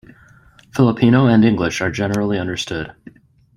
Filipino and English are generally understood.